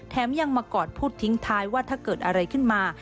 ยังมากอดพูดทิ้งท้ายว่าถ้าเกิดอะไรขึ้นมา